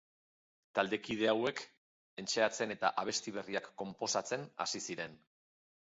Taldekide hauek entseatzen eta abesti berriak konposatzen hasi ziren.